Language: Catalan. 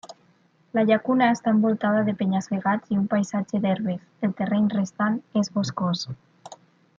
La llacuna està envoltada de penya-segats i un paisatge d'herbes, el terreny restant és boscós.